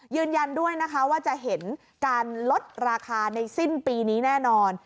ยืนยันด้วยนะคะว่าจะเห็นการลดราคาในสิ้นปีนี้แน่นอน